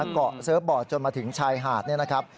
เกาะเสิร์ฟบอร์ดจนมาถึงชายหาดเนี่ยนะครับ